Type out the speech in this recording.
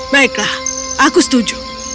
baiklah aku setuju